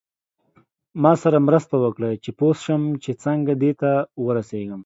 ما سره مرسته وکړئ چې پوه شم چې څنګه دې ته ورسیږم.